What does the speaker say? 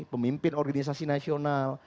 pemimpin organisasi nasional